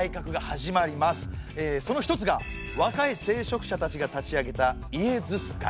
その一つが若い聖職者たちが立ち上げたイエズス会。